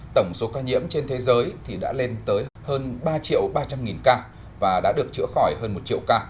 tổng số ca nhiễm trên thế giới thì đã lên tới hơn ba triệu ba trăm linh ca và đã được chữa khỏi hơn một triệu ca